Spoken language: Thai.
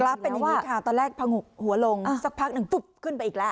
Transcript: รับเป็นอย่างนี้ค่ะตอนแรกผงกหัวลงสักพักหนึ่งปุ๊บขึ้นไปอีกแล้ว